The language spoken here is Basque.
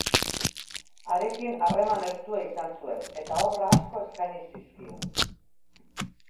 Harekin harreman estua izan zuen, eta obra asko eskaini zizkion.